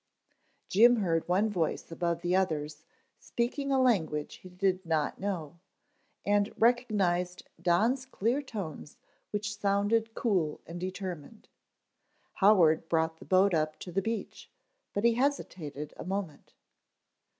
Jim heard one voice above the others, speaking a language he did not know, and recognized Don's clear tones which sounded cool and determined. Howard brought the boat up to the beach, but he hesitated a moment.